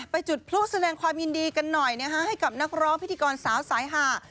จุดพลุแสดงความยินดีกันหน่อยนะฮะให้กับนักร้องพิธีกรสาวสายหา